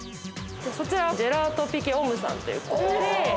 ◆そちらはジェラート・ピケ・オムさんといって。